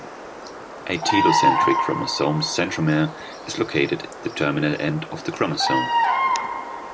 A telocentric chromosome's centromere is located at the terminal end of the chromosome.